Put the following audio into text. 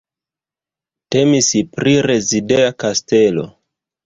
Temis pri rezideja kastelo.